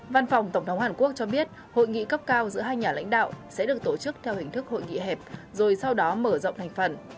văn phòng tổng thống hàn quốc cho biết hội nghị cấp cao giữa hai nhà lãnh đạo sẽ được tổ chức theo hình thức hội nghị hẹp rồi sau đó mở rộng thành phần